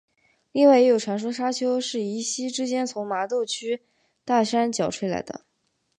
另外也有传说砂丘是一夕之间从麻豆区大山脚吹来的。